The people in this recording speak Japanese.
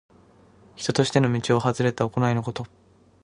人としての道をはずれた行いのこと。